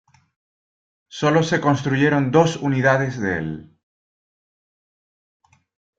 Solo se construyeron dos unidades de el.